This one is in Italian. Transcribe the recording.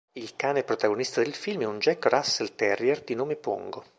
Il cane protagonista del film è un Jack Russell Terrier di nome Pongo.